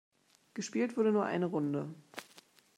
Gespielt wurde nur eine Runde.